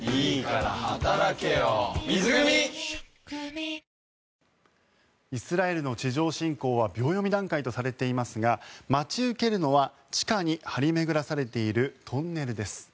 メロメロイスラエルの地上侵攻は秒読み段階とされていますが待ち受けるのは地下に張り巡らされているトンネルです。